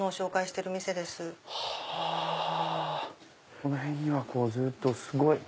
この辺にはずっとすごい！